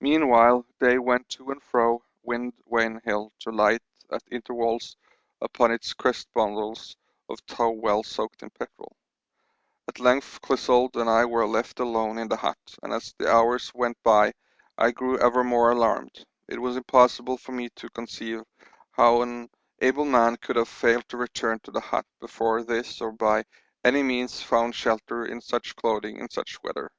Meanwhile Day went to and fro Wind Vane Hill to light at intervals upon its crest bundles of tow well soaked in petrol. At length Clissold and I were left alone in the hut, and as the hours went by I grew ever more alarmed. It was impossible for me to conceive how an able man could have failed to return to the hut before this or by any means found shelter in such clothing in such weather.